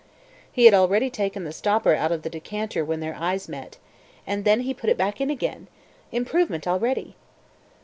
He had already taken the stopper out of the decanter when their eyes met ... and then he put it back again. Improvement already!